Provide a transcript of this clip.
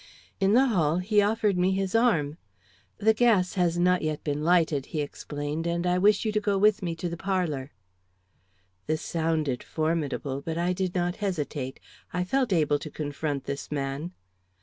In the hall he offered me his arm. "The gas has not yet been lighted," he explained, "and I wish you to go with me to the parlor." This sounded formidable, but I did not hesitate. I felt able to confront this man.